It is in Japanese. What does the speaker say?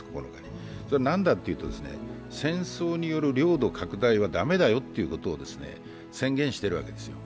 これは、なんだっていうと、戦争による領土拡大は駄目だよってことを宣言してるわけですよ。